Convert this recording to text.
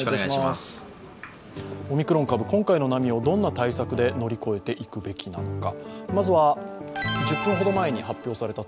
オミクロン株、今回の波をどんな対策で乗り越えていくべきなのか。